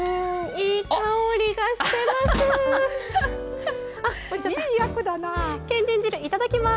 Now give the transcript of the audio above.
いい香りがしてます！